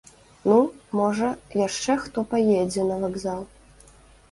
Ну, можа, яшчэ хто паедзе на вакзал.